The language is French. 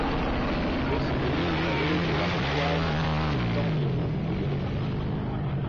Celle-ci domine la vallée de la Coise d'environ de haut.